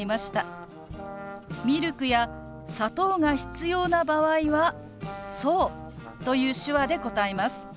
ミルクや砂糖が必要な場合は「そう」という手話で答えます。